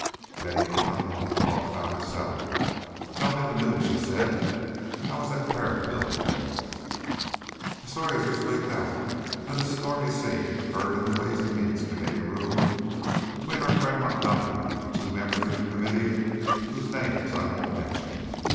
Betty did not want to talk about herself. "Tell me the news," she said. "How is that Tariff Bill going?" "A story has just leaked out that a stormy scene occurred in the Ways and Means Committee Room between our friend Montgomery and two members of the Committee whose names I won't mention.